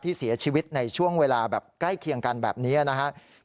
เสียชีวิตในช่วงเวลาแบบใกล้เคียงกันแบบนี้นะครับ